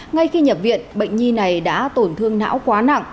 ngay khi nhập viện bệnh nhi này đã tổn thương não quá nặng